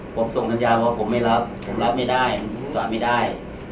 ผมส่งทศัลย์ว่าผมไม่รับรถผมรับไม่ได้รถผมกำลังกลับไม่ได้